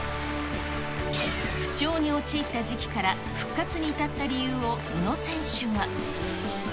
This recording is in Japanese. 不調に陥った時期から復活に至った理由を宇野選手は。